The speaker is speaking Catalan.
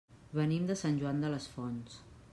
Venim de Sant Joan les Fonts.